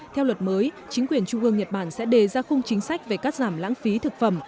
theo luật mới chính quyền trung ương nhật bản sẽ đề ra khung chính sách về cắt giảm lãng phí thực phẩm